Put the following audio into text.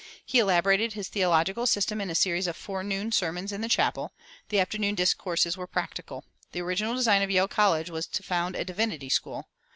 He elaborated his theological system in a series of forenoon sermons in the chapel; the afternoon discourses were practical. The original design of Yale College was to found a divinity school.